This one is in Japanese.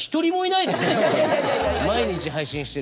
毎日配信してる人。